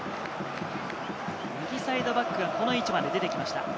右サイドバックがこの位置まで出てきました。